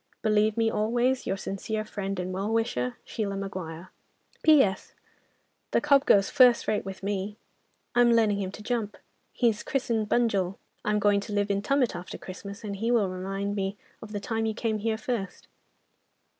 "Believe me always, "Your sincere friend and well wisher, "SHEILA MAGUIRE. "P.S.—The cob goes first rate with me. I'm learning him to jump. He's christened 'Bunjil.' I'm going to live in Tumut after Christmas, and he will remind me of the time you came here first."